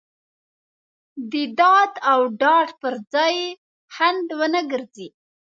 د داد او ډاډ پر ځای یې خنډ ونه ګرځي.